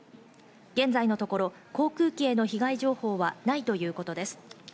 現在のところ、航空機への被害情報はないということです。